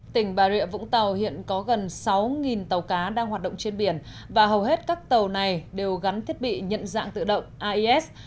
tỉnh bà rịa vũng tàu hiện có gần sáu tàu cá đang hoạt động trên biển và hầu hết các tàu này đều gắn thiết bị nhận dạng tự động ais